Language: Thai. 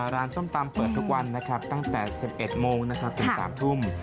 ร้านส้มตำเปิดทุกวันนะครับตั้งแต่๑๑โมงถึง๓ทุ่ม